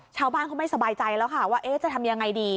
ชาวบ้านเขาไม่สบายใจแล้วค่ะว่าจะทำยังไงดี